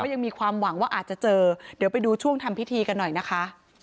ยังมีความหวังว่าอาจจะเจอเดี๋ยวไปดูช่วงทำพิธีกันหน่อยนะคะ